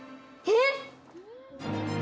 えっ？